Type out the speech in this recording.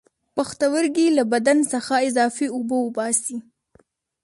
پښتورګي له بدن څخه اضافي اوبه وباسي